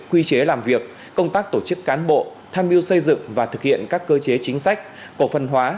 quy chế làm việc công tác tổ chức cán bộ tham mưu xây dựng và thực hiện các cơ chế chính sách cổ phân hóa